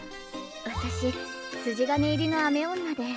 私筋金入りの雨女で。